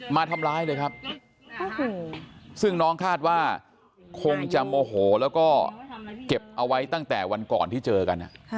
มาทำร้ายเลยครับซึ่งน้องคาดว่าคงจะโมโหแล้วก็เก็บเอาไว้ตั้งแต่วันก่อนที่เจอกัน